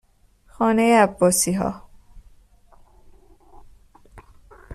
خانه عباسیها